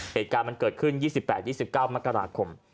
เหตุการณ์มันเกิดขึ้น๒๘๒๙มกราคม